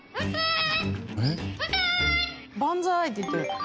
バンザーイって言ってる。